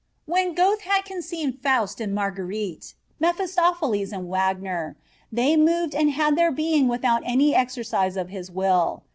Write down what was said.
When Goethe had conceived Faust and Margarete, Mephistopheles and Wagner, they moved and had their being without any exercise of his will.